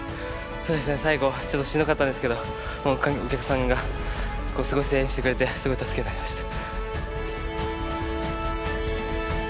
そうですね最後ちょっとしんどかったんですけどお客さんがすごい声援してくれてすごい助けになりました。